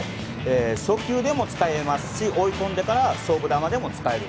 初球でも使えますし追い込んでから勝負球でも使える。